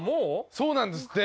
そうなんですって。